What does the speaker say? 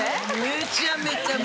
めちゃめちゃもう。